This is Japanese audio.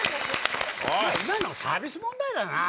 今のサービス問題だな。